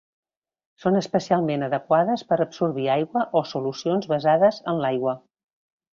Són especialment adequades per absorbir aigua o solucions basades en l'aigua.